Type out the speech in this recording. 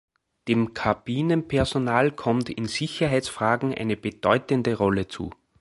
Dem Kabinenpersonal kommt in Sicherheitsfragen eine bedeutende Rolle zu.